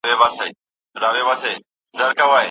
حاجي جمعه ملا محمدصديق کاکړ